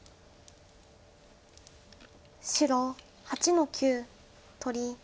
白８の九取り。